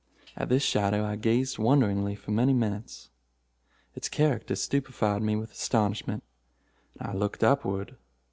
At this shadow I gazed wonderingly for many minutes. Its character stupefied me with astonishment. I looked upward.